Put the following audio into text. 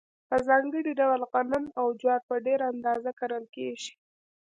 په ځانګړي ډول غنم او جوار په ډېره اندازه کرل کیږي.